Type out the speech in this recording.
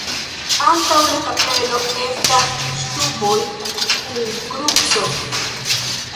Antaŭ la kapelo estas ŝtupoj kun kruco.